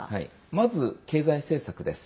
まず経済対策です。